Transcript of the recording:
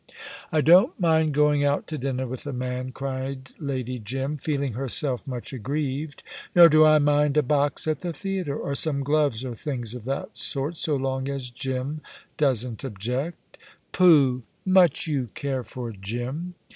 "I don't mind going out to dinner with a man," cried Lady Jim, feeling herself much aggrieved, "nor do I mind a box at the theatre, or some gloves or things of that sort, so long as Jim doesn't object.' "Pooh! Much you care for Jim."